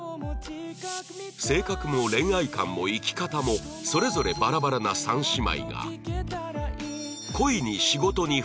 性格も恋愛観も生き方もそれぞれバラバラな３姉妹が